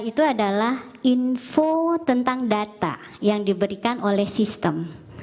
itu adalah info tentang data yang diberikan oleh sistem